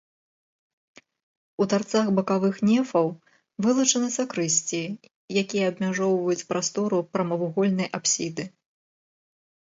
У тарцах бакавых нефаў вылучаны сакрысціі, якія абмяжоўваюць прастору прамавугольнай апсіды.